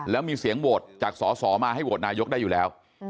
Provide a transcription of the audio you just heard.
แล้วมีเสียงโหวตจากสอสอมาให้โหวตนายกได้อยู่แล้ว